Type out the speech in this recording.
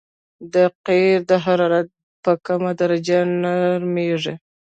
دا قیر د حرارت په کمه درجه کې نرمیږي